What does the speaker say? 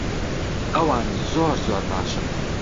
ئەوان زۆر زۆر باشن.